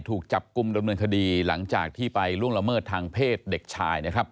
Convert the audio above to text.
ถูกจับกลุ่มดำเนินคดีหลังจากที่ไปล่วงละเมิดทางเพศเด็กชายนะครับ